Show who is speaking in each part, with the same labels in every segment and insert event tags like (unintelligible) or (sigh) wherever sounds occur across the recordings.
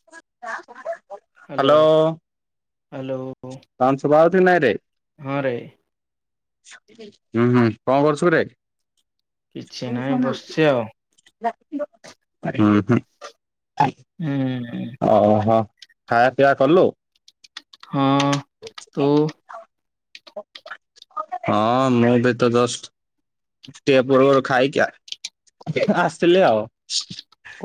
Speaker 1: (inaudible)
Speaker 2: Hello. Hello.
Speaker 1: କଣ ସୁଭା ଯାଉଚି କି ନାଇଁରେ।
Speaker 2: ହଁ ରେ
Speaker 1: ହୁଁ, ହୁଁ, କଣ କରୁଚୁ କିରେ?
Speaker 2: କିଛି
Speaker 1: ହଁ
Speaker 2: ନାହିଁ
Speaker 1: ହୁଁ
Speaker 2: ବସିଛି ଆଉ।
Speaker 1: ଆ
Speaker 2: ହୁଁ, ହୁଁ,।
Speaker 1: ଓହୋ, ଖାୟା ପିଇଆ କଲୁ?
Speaker 2: ହଁ ତୁ
Speaker 1: ହଁ, ମୁଁ ବି ତ ଜଷ୍ଟ୍- ଟେକେ ପୂର୍ବରୁ ଖାଇକି ଆସିଥିଲି ଆଉ।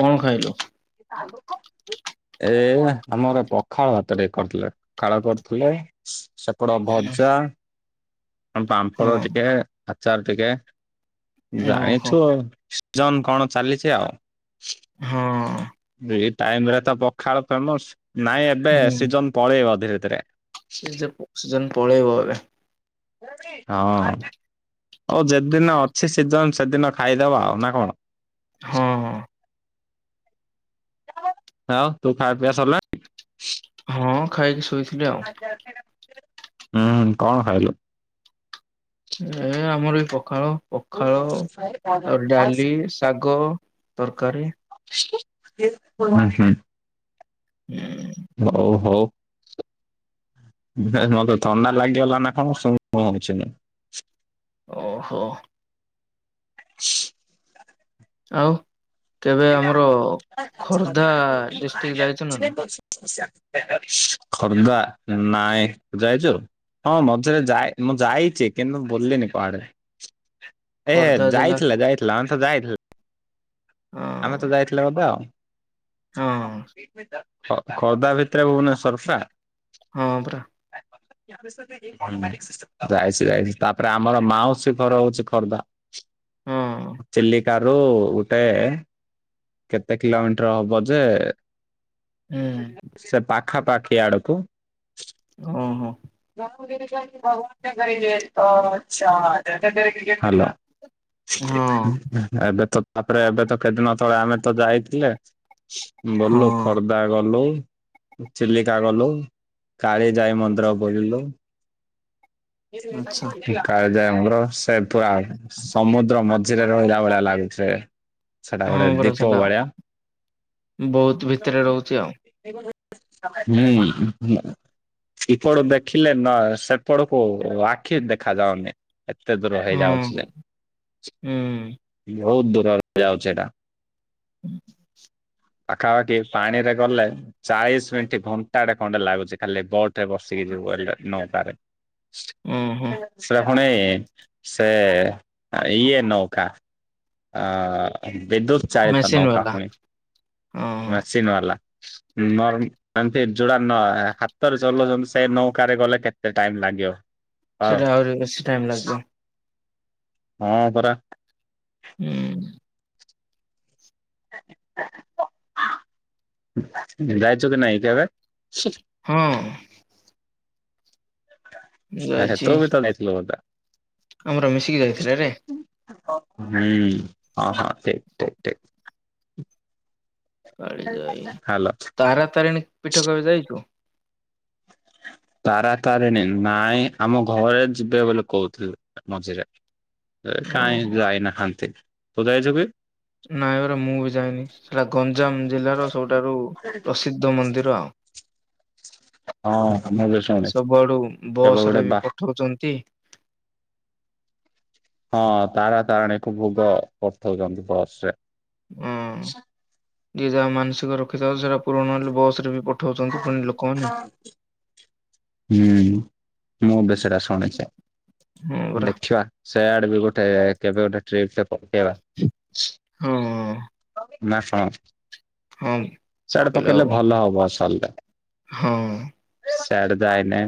Speaker 2: କଣ ଖାଇଲୁ?
Speaker 1: (inaudible) (unintelligible) ଏ ଆମର ପଖାଳ ଭାତ ତ ଟିକେ କରିଥିଲେ, ପଖାଳ କରିଥିଲେ। ସେପଟେ ଭଜା କଣ ପାମ୍ଫଡ
Speaker 2: ହଁ
Speaker 1: ଟିକେ, ଆଚାର ଟିକେ,
Speaker 2: ଓହୋ
Speaker 1: ଜାଣିଛୁ ଆଉ। ଜନ, କଣ ଚାଲିଛି ଆଉ।
Speaker 2: ହଁ
Speaker 1: ଏଇ ଟାଇମ୍ ରେ ତ ପଖାଳ ଫେମସ ନାଇଁ ଏବେ
Speaker 2: ହୁଁ।
Speaker 1: ସିଜନ ପଳେଇବ ଧୀରେ ଧୀରେ।
Speaker 2: ସେ ଯେ ସେ ପଳେଇବ ଏବେ
Speaker 1: ହଁ। ହଉ ଯେତେଦିନ ଅଛି ସିଜନ ସେଦିନ ଖାଇଦବା ଆଉ ନା କଣ?
Speaker 2: ହଁ ହଁ।
Speaker 1: ଆଉ ତୁ ଖାୟା ପିଆ ସରିଲାଣି?
Speaker 2: ହଁ ଖାଇକି ଶୋଇଚି।
Speaker 1: ହୁଁ, କଣ ଖାଇଲୁ?
Speaker 2: ଏ ଆମର ଏଇ ପଖାଳ ପଖାଳ, ଆଉ ଡାଲି, ଶାଗ, ତରକାରୀ
Speaker 1: ଉଁ ହୁଁ।
Speaker 2: ହଁ
Speaker 1: ହଉ, ହଉ। ମତେ ଥଣ୍ଡା ଲାଗିଗଲା ନା କଣ ସୁଁ ସୁଁ ହଉଛି ମୁଁ।
Speaker 2: ଓହୋ।
Speaker 1: (unintelligible)
Speaker 2: ଆଉ କେବେ ଆମର ଖୋର୍ଦ୍ଧା ଡିଷ୍ଟ୍ରିକ୍ଟ ଯାଇଛ ନା ନାଇଁ?
Speaker 1: ଖୋର୍ଦ୍ଧା ନାଇଁ ଯାଇଛୁ? ହଁ ମଝିରେ ଯାଇ ମୁଁ ଯାଇଚି କିନ୍ତୁ ମୁ ବୁଲିିନି କୁଆଡେ। ଏ
Speaker 2: ଖୋର୍ଦ୍ଧା ଜିଲ୍ଲା
Speaker 1: ଯାଇଥିଲା, ଯାଇଥିଲା, ଆ ଯାଇଥିଲ। ଆମେ ତ
Speaker 2: ହଁ
Speaker 1: ଯାଇଥିଲେ ବୋଧେ ଆଉ।
Speaker 2: ହଁ
Speaker 1: ଖୋ - ଖୋର୍ଦ୍ଧା ଭିତରେ ଭୁବନେଶ୍ଵର ପା?
Speaker 2: ହଁ ପରା।
Speaker 1: ଆ (unintelligible) ଯାଇଛି ଯାଇଛି, ତାପରେ ଆମର ମାଉସୀ ଘର ହଉଛି ଖୋର୍ଦ୍ଧା।
Speaker 2: ହଁ।
Speaker 1: ଚିଲିକା ରୁ ଗୋଟେ କେତେ କିଲୋମିଟର ହବ ଯେ
Speaker 2: ହୁଁ
Speaker 1: ସେ ପାଖା ପାାଖି ଆଡକୁ
Speaker 2: ଓହୋ।
Speaker 1: ହାଲୋ।
Speaker 2: ହଁ
Speaker 1: ଏବେ ତ ତାପରେ ଏବେ ତ କେଦିନ ତଳେ ଆମେ ତ ଯାଇଥିଲେ
Speaker 2: ହଁ
Speaker 1: ଭଲ ଖର୍ଦ ଦା ଗଲୁ, ଚିଲିକା ଗଲୁ, କାଳିଜାଇ ମନ୍ଦିର ବଲିଲୁ
Speaker 2: ଆଚ୍ଛା
Speaker 1: (unintelligible) କାଳୀଯାଇ ମନ୍ଦିର, ସେ ପୁରା ସମୁଦ୍ର ମଝିରେ ରହିଲା ଭଳିଆ ଲାଗୁଚି ସେଟା ଗୋଟେ
Speaker 2: ହଁ ପରା
Speaker 1: ଦୀପ
Speaker 2: ସେଟା
Speaker 1: ଭଳିଆ
Speaker 2: ବହୁତ ଭିତରେ ରହୁଛି ଆଉ
Speaker 1: ହୁଁ ଏପଟ ଦେଖିଲେ ନା ସେପଟ ଓ ଆଖି ଦେଖାଯାଉନି। ଏତେ ଦୂର
Speaker 2: ହଁ
Speaker 1: ହେଇଯାଉଛି ଯେ,
Speaker 2: ହୁଁ
Speaker 1: ବହୁତ ଦୂରରେ ଯାଉଛି ଏଇଟା
Speaker 2: ହୁଁ (unintelligible)
Speaker 1: ପାଖାପାଖି ପାଣି ରେ ଗଲେ ଚାଳିଶ ମିନିଟ ଘଣ୍ଟାଟେ ଖଣ୍ଡେ ଲାଗୁଛି ଖାଲି ବଟ ରେ ବସିକି ଯିବୁ ହେଲେ ନୌକାରେ
Speaker 2: ହୁଁ ହୁଁ
Speaker 1: ସେ ପୁଣି, ସେ ଇଏ ନୌକା ଅ ବିଦ୍ୟୁତ ଚାହିତା
Speaker 2: ମେସିନ୍
Speaker 1: ନୌକା
Speaker 2: ବାଲା
Speaker 1: ଫୁଣି,
Speaker 2: ହଁ
Speaker 1: ମେସିନ ବାଲା। ନର ଏ ଯୋଡା ନ ହାତରେ ଚଲଉଛନ୍ତି ସେଇ ନୌକାରେ ଗଲେ କେତେ ଟାଇମ୍ ଲାଗିବ? ହଉ
Speaker 2: ସେଇଟା ଆହୁରି ବେଶୀ ଟାଇମ୍ ଲାଗିବ।
Speaker 1: ହଁ ପରା।
Speaker 2: ହୁଁ।
Speaker 1: ଯାାଇଛୁ କି ନହିଁ କେବେ?
Speaker 2: ହଁ।
Speaker 1: ଆଛା
Speaker 2: ଯାଇଛି
Speaker 1: ତୁ ବି ତ ନେଇଥିଲୁ ମତେ।
Speaker 2: ଆମର ମିଶିକି ଯାଇଥିଲେ ରେ
Speaker 1: ହୁଁ ହଁ ହଁ ଠିକ ଠିକ ଠିକ।
Speaker 2: କାଳି ଯାଇ
Speaker 1: ହ୍ୟାଲୋ
Speaker 2: ତାରା ତାରିଣୀ ପୀଠ କବେ ଯାଇଛୁ।
Speaker 1: ତାରା ତାରିଣୀ ନାଇଁ ଆମ ଘରେ ଯିବେ ବୋଲି କହୁଥିଲି ମଝିରେ। କାଇଁ
Speaker 2: ଓହୋ
Speaker 1: ଯାଇ ନାହାନ୍ତି ତୁ ଯାଇଚୁ କି।
Speaker 2: ନାଇଁଗରା ମୁଁ ବି ଯାଇନି ସେଟା ଗଞ୍ଜାମ ଜିଲ୍ଲାର ସବୁଠାରୁ ପ୍ରସିଦ୍ଧ ମନ୍ଦିର ଆଉ।
Speaker 1: ହଁ ଆମ (unintelligible)
Speaker 2: ସବୁଆଡୁ ବସ ରେ ବି ପଠଉଛନ୍ତି।
Speaker 1: ହଁ ତାରା ତାରାଣୀକୁ ଭୋଗ କରିଥାଉଛନ୍ତି ବସ ରେ।
Speaker 2: ହଁ ଯିଏ ଯାହା ମାନସିକ ରଖିଥାଉ ସେଟା ପୂରଣ ହେଲେ ବସ ରେ ବି ପ। ପଉଠାଉଛନ୍ତି ପୁଣି ଲୋକମାନେ।
Speaker 1: ହୁଁ ମୁଁ ବି ସେଟା ଶୁଣିଛି
Speaker 2: ହଁ ପରା
Speaker 1: ଦେଖିବା। ସେଆଡେ ବି ଗୋଟେ କେବେ ଟ୍ରିପ ଗୋଟେ ପକେଇବା।
Speaker 2: ହଁ
Speaker 1: ନା ଶୁଣ
Speaker 2: ହଁ
Speaker 1: ସେଆଡେ ପକେଇଲେ ଭଲ ହବ ସରିଲା।
Speaker 2: ହଁ
Speaker 1: ସିଆଡେ ଯାଇନେ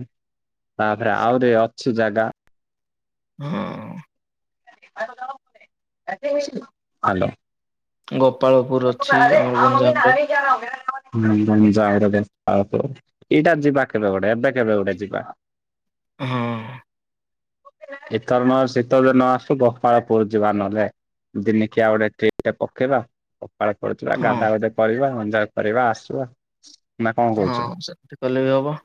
Speaker 1: ତାପରେ ଆହୁରି ଅଛି ଜାଗା।
Speaker 2: ହଁ।
Speaker 1: ଆ୍ଞ (unintelligible)
Speaker 2: ଗୋପାଳପୁର ଅଛି ଆମର ଗଞ୍ଜାମ ରେ।
Speaker 1: ଯାଇର (unintelligible) ଏଇଟା ଯିବା କେବେ ଗୋଟେ ଏବେ କେବେ ଗୋଟେ ଯିବା।
Speaker 2: ହଁ।
Speaker 1: ଏତର ନ ଶୀତ ନ (unintelligible) ଆସୁ ଗୋହପାଳ ପୁର ଯିବା ନହେଲେ ଦିନେକିଆ ଗୋଟେ ଟ୍ରିପ ଟା ପକେଇବା ଳ (unintelligible) ପଡୁଥିବା
Speaker 2: ହଁ
Speaker 1: ଗାଧା ଗାଧେ ପଳିବା ଅଞଜାର (unintelligible) କରିବା ଆସିବା। ନା କଣ
Speaker 2: ହଁ
Speaker 1: କରୁଛ?
Speaker 2: ସେମିତି କଲେ ବି ହବ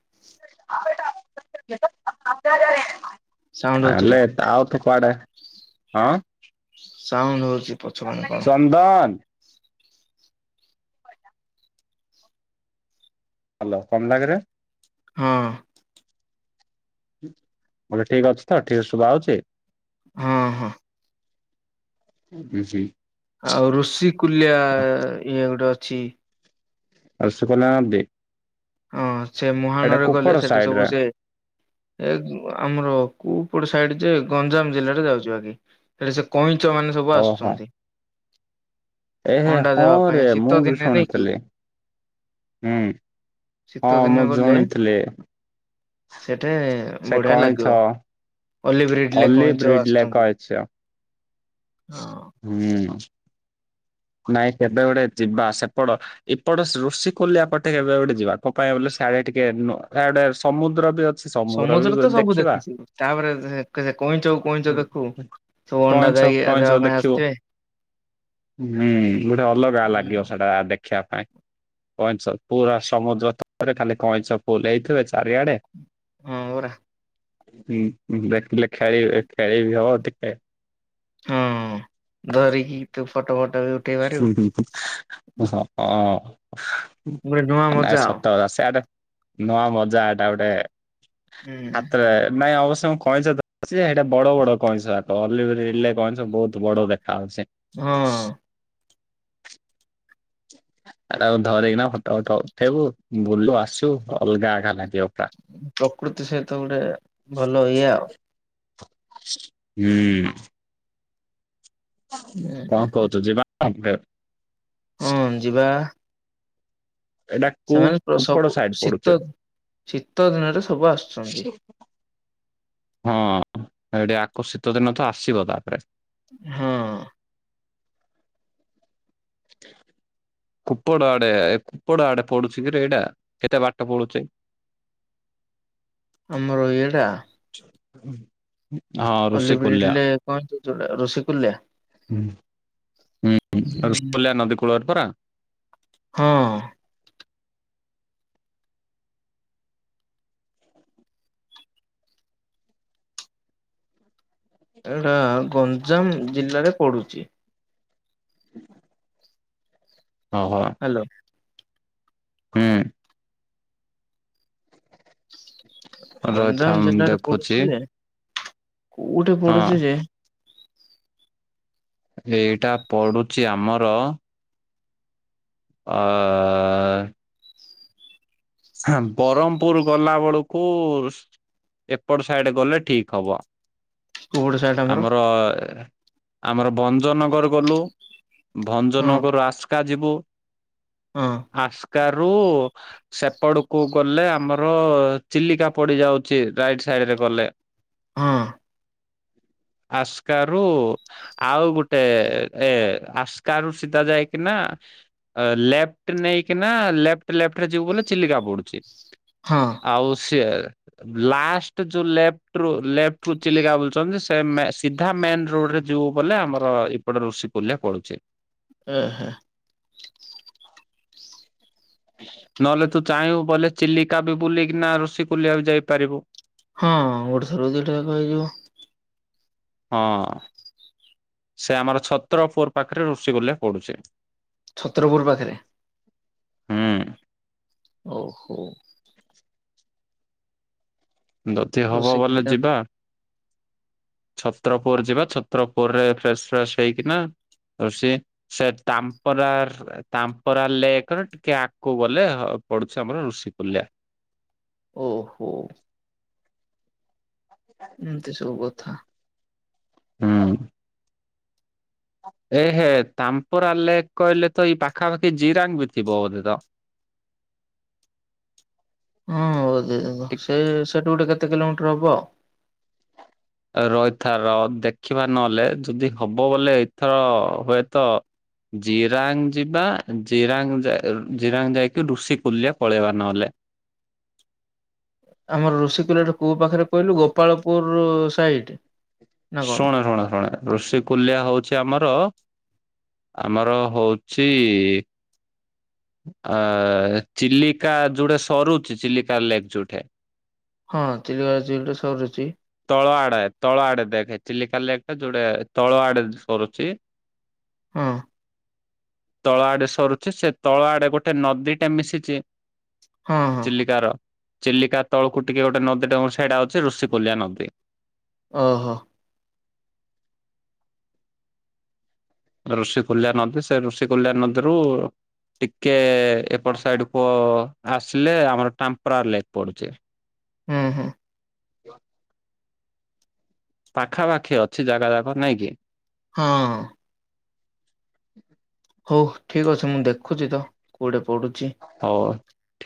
Speaker 1: ତାେଲେ
Speaker 2: ସାଉଣ୍ଡ ହଉଛିରେ
Speaker 1: (unintelligible) ତାଉ କୁଆଡେ? ହଁ।
Speaker 2: ସାଉଣ୍ଡ ହଉଚି
Speaker 1: ଚନ୍ଦନ। ହଲୋ କଣ ହେଲା କି ରେ?
Speaker 2: ହଁ।
Speaker 1: ବୋଲେ ଠିକ ଅଛି ତ ଠିକ ଶୁଭା ହଉଛି
Speaker 2: ହଁ ହଁ।
Speaker 1: ହଁ ହୁଁ।
Speaker 2: ଆଉ ଋଶିକୁଲ୍ୟା ଇଏ ଗୋଟେ ଅଛି।
Speaker 1: ଆସ କଲ ଅ (unintelligible) ଦେ
Speaker 2: ହଁ ସେ ମୁହାଣ ରେ
Speaker 1: କୁପଡ
Speaker 2: ଗଲେ ସେଠି
Speaker 1: ସାଇଡ
Speaker 2: ସବୁ
Speaker 1: ରେ
Speaker 2: ସେ ଏ ଆମର କୁପଡ ସାଇଡ ଯେ ଗଞ୍ଜାମ ଜିଲ୍ଲାରେ ଯାଉଛି ବାକି। ସେଠ ସେ କଇଁଚ ମାନେ ସବୁ ଆସୁଛନ୍ତି।
Speaker 1: ଏ
Speaker 2: ଅଣ୍ଡା
Speaker 1: ହଁ
Speaker 2: ଦେବା
Speaker 1: ରେ
Speaker 2: ପାଇଁ
Speaker 1: ମୁଁ
Speaker 2: ଶୀତ
Speaker 1: ବି
Speaker 2: ଦିନେ ନାଇଁ କି
Speaker 1: ଶୁଣିଥିଲି ହୁଁ। ହଁ
Speaker 2: ଶୀତ
Speaker 1: ମୁଁ
Speaker 2: ଦିନ ଗଲେ
Speaker 1: ଶୁଣିଥିଲି
Speaker 2: ସେଠେ
Speaker 1: ସେ
Speaker 2: ବଢିଆ
Speaker 1: କଇଁଛ
Speaker 2: ଲାଗିବ ଅଲିଭ ରିଡଲେ କଇଁଛ
Speaker 1: ଅଲିଭରିଡଲେ
Speaker 2: ଆସୁଛନ୍ତି
Speaker 1: କହିଛ
Speaker 2: ହଁ।
Speaker 1: ହୁଁ। ନାଇଁ କେବେ ଗୁଟେ ଯିବା ସେପଟ ଏପଟ ରୋଷି କୋୋଲିଆପଟ ଟେ କେବେ ଗୋଟେ ଯିବା ତୋ ପାଇଁ ବ ସେଆଡେ ଟିକେଆଡେ ସମୁଦ୍ର ବି ଅଛି ବି
Speaker 2: ସମୁଦ୍ର ତ ସବୁ
Speaker 1: ଦେଖିବା।
Speaker 2: ଦେଖିଛିବୁ ତାପରେ କଇଁଚକୁ କଇଁଚ ଦେଖୁ ତୁ ଅଣ୍ଡା
Speaker 1: କଇଁଛ
Speaker 2: ଦେଇକ
Speaker 1: କଇଁଛ
Speaker 2: ଦେବା କ
Speaker 1: ଦେଖିବ
Speaker 2: ଆସିଥିବେ
Speaker 1: ହୁଁ ଗୋଟେ ଅଲଗା ଲାଗିବ ସେଟା ଦେଖିବା ପାଇଁ। କଇଁଛ ପୁରା ସମୁଦ୍ର ଥରେ ଖାଲି କଇଁଛ ଫୁଲ ହେଇଥିବେ ଚାରିଆଡେ
Speaker 2: ହଁ ହରା।
Speaker 1: ହୁଁ ଦେଖଥିଲେ ଖେଳିବ ଖେଳିବି ହବ ଟିକେ
Speaker 2: ହଁ ଧରିକି ଟୁ ଫଟୋ ଫଟ ବି ଉଠ
Speaker 1: (unintelligible) ହ ହଁ
Speaker 2: ଗୋଟେ ନୂଆ
Speaker 1: ନ
Speaker 2: ମଜା ଆଉ।
Speaker 1: ସପତା ସେଦ (unintelligible) ନୂଆ ମଜା ଏଟା ଗୋଟେ
Speaker 2: ହୁଁ
Speaker 1: ହାତରେ ନାଇଁ ଅବଶ୍ୟ କଇଁ ତ ସେଇଟା ବଡ଼ ବଡ଼ କଇଁସ ଆକ ଅଲିଗ ିଲେ (unintelligible) କଇଁସ ବହୁତ ବଡ଼ ଦେଖାହେଉଛି।
Speaker 2: ହଁ।
Speaker 1: ଆରେ ଆଉ ଧରିକିନା ଫଟୋ ଫଟ ଉଠେଇବୁ ବୁଲୁ ଆସୁ ଅଲଗା ଅଗା ଲାଗିବ। ପୁରା।
Speaker 2: ପ୍ରକୃତି ସହିତ ଗୋଟେ ଭଲ ଇଏ ଆଉ।
Speaker 1: ହୁଁ। କଣ କହୁଛୁ ଯିବା।
Speaker 2: ହଁ ଯିବା।
Speaker 1: ଏଡା
Speaker 2: ସେମାନେ ସବୁ ଶୀତ-ଶୀତ ଦିନରେ ସବୁ ଆସୁଛନ୍ତି।
Speaker 1: ହଁ ଏଠି ଆକ ଶୀତଦିନ ତ ଆସିବ ତାପରେ।
Speaker 2: ହଁ।
Speaker 1: କୁପଡ ଆଡେ ଏ କୁପଡ ଆଡେ ପଡୁଛି କିରେ ଏଇଟା କେତେ ବାଟ ପଡୁଛି?
Speaker 2: ଆମର ଇଏଟା?
Speaker 1: ହୁଁ (inaudible)
Speaker 2: ଅଲିବ୍ରିଡଲେ କଇଁଛ ଯୋଉଗୁଡ଼ା ଋଷିକୁଲ୍ୟା।
Speaker 1: ହୁଁଁ
Speaker 2: ଉଁ
Speaker 1: ଋଷିକୁଲ୍ୟା ନଦୀ କୂଳରେ ପରା।
Speaker 2: ହଁ। ଏଟା ଗଞ୍ଜାମ ଜିଲ୍ଲାରେ ପଡୁଛି।
Speaker 1: ଓ ହୋ।
Speaker 2: ହ୍ୟାଲୋ।
Speaker 1: ହୁଁ। ରହିଥା
Speaker 2: ଗଞ୍ଜାମ
Speaker 1: ମୁଁ
Speaker 2: ଜିଲ୍ଲାରେ
Speaker 1: ଦେଖୁଛି
Speaker 2: ପଡୁଛି ଯେ, କୋଉଠି
Speaker 1: ହଁ।
Speaker 2: ପଡୁଛି ଯେ
Speaker 1: ଏଇଟା ପଡୁଛି ଆମର ଆ ହ ବ୍ରହ୍ମପୁର ଗଲା ବେଳକୁ-ଏପଟ ସାଇଡ ଗଲେ ଠିକ ହବ।
Speaker 2: କୋଉଠି ସାଇଟ୍
Speaker 1: ଆମର- ଆମର ବଞ୍ଜନଗର ଗଲୁ
Speaker 2: ହଁ
Speaker 1: ଭଞ୍ଜନଗର ଆସ୍କା ଯିବୁ
Speaker 2: ହଁ।
Speaker 1: ଆାସ୍କା ରୁ ସେପଡକୁ ଗଲେ ଆମର ଚିଲିକା ପଡି ଯାଉଛି ରାଇଟ ସାଇଡ ରେ ଗଲେ।
Speaker 2: ହଁ।
Speaker 1: ଆସ୍କାରୁ ଆଉ ଗୋଟେ ଏ- ଆସ୍କା ରୁ ସିଧା ଯାଇକିନା ଲେଫ୍ଟ ନେଇକିନା ଲେଫ୍ଟ ଲେଫ୍ଟରେ ଯିବୁ ବୋଲେ ଚିଲିକା ପଡୁଛି।
Speaker 2: ହଁ।
Speaker 1: ଆଉ ସେ ଲାଷ୍ଟ ଯୋଉ ଲେଫ୍ଟରୁ ଲେଫ୍ଟକୁ ଚିଲିକା ବୁଲୁଛନ୍ତି ସେ ସିଧା ମେନ ରୋଡରେ ଯୋଉ ବୋଲେ ଆମର ଏଇପଟେ ଋଷିକୂଲ୍ୟା ପଡୁଛେ।
Speaker 2: ଓ ହୋ।
Speaker 1: ନହେଲେ ତୁ ଚାହିଁବୁ ବୋଲେ ଚିଲିକା ବି ବୁଲିକିନା ଋଷିକୂଲ୍ୟା ବି ଯାଇପାରିବୁ।
Speaker 2: ହଁ ଗୋଟ ଥରରୁ ଦିଇଟାଯାକ ହେଇଯିବ।
Speaker 1: ହଁ, ସେ ଆମର ଛତ୍ରପୁର ପାଖରେ ଋଷିକୂଲ୍ୟା ପଡୁଛି।
Speaker 2: ଛତ୍ରପୁର ପାଖରେ?
Speaker 1: ହୁଁ।
Speaker 2: ଓ ହୋ।
Speaker 1: ଦତି ହବ ବୋଲେ
Speaker 2: ରସିକୁଲ୍ୟା
Speaker 1: ଯିବା। ଛତ୍ରପୁର ଯିବା ଛତ୍ରପୁରରେ ଫ୍ରେସଫ୍ରେଶ ହେଇକିନା ସିଏ ସେ ସେ ତାମ୍ପରାର ତାମ୍ପରା ଲେକର ଟିକେ ଆଗକୁ ଗଲେ ହଁ ଅ ପଡୁଛି ଆମର ଋଷି କଲ୍ୟା।
Speaker 2: ଓହୋ, ଏମତି ସବୁ କଥା।
Speaker 1: ହୁଁ, ଏ ହେ ତାମ୍ପରା ଲେକ୍ କହିଲେ ତ ଏଇ ପାଖାପାଖି ଜିରାଙ୍ଗ ବି ଥିବ ବୋଧେ ତ।
Speaker 2: ହଁ ବୋଧେ ତ
Speaker 1: ଠିକ୍।
Speaker 2: ସେ ସେଠୁ ଗୋଟେ କେତେ କିଲୋମିଟର ହବ।
Speaker 1: ରହିଥା ରହ ଦେଖିବା ନହେଲେ ଯଦି ହବ ବୋଲେ ଏଥର ହୁଏତ ଜିରାଙ୍ଗ ଯିବା ଜିରାଙ୍ଗ ଯା ଜିରାଙ୍ଗ ଯାଇକି ଋଷିକୁଲ୍ୟା ପଳେଇବା ନହେଲେ।
Speaker 2: ଆମର ଋଷିକୁଲ୍ୟାଠୁ କୋଉ ପାଖରେ କହିଲୁ ଗୋପାଳପୁର-ଉ-ଉ ସାଇଡ୍?
Speaker 1: ଶୁଣେ ଶୁଣେ ଶୁଣେ, ଋଷକୁଲ୍ୟା ହେଉଛି ଆମର ଆମର ହେଉଛି-ଇ-ଇ-ଇ ଅ-ଅ-ଅ-ଅ ଚିଲିକା ଯୋଉଠେ ସରୁଛି ଚିଲିକା ଲେକ୍ ଯୋଉଠେ।
Speaker 2: ହଁ ଚିଲିକା ଯୋଉଠି ସରୁଛି।
Speaker 1: ତଳ ଆଡେ ତଳ ଆଡେ ଦେଖେ ଚିଲିକା ଲେକ୍ ଟା ଯୋଉଟେ ତଳ ଆଡେ ସରୁଛି।
Speaker 2: ହଁ,
Speaker 1: ତଳ ଆଡ଼େ ସରୁଛି ସେ ତଳ ଆଡେ ଗୋଟେ ନଦୀ ଟେ ମିଶିଛି।
Speaker 2: ହଁ ହଁ,
Speaker 1: ଚିଲିକାର ଚିଲିକା ତଳକୁ ଟିକେ ଗୋଟେ ନଦୀ ଟା ମଶୁ ସେଇଟା ହେଉଛି ଋଷିକୁଲ୍ୟା ନଦୀ।
Speaker 2: ଓହୋ,
Speaker 1: ଋଷିକୁଲ୍ୟା ନଦୀ ସେ ଋଷିକୁଲ୍ୟା ନଦୀରୁ-ଉ-ଉ ଟିକେ-ଏ-ଏ-ଏ ଏପଟ ସାଇଡ କୁ ଆସିଲେ ଆମର ଟାମ୍ପରା ଲେକ୍ ପଡୁଛି।
Speaker 2: ହୁଁ ହୁଁ,
Speaker 1: (inaudible) ପାଖାପାଖି ଅଛି ଜାଗା ଜାକ ନାଇଁ କିି?
Speaker 2: ହଁ-ଅ-ଅ, ହଉ ଠିକ ଅଛି ମୁଁ ଦେଖୁଛି ତ କୋଉଠି ପଡୁ
Speaker 1: ହଉ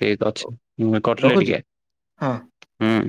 Speaker 1: ଠିକ୍ ଅଛି ମୁ କଟିଲି
Speaker 2: ରଖୁଛି
Speaker 1: ଟିକେ,
Speaker 2: ହଁ।
Speaker 1: ହୁଁ।